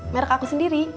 merk aku sendiri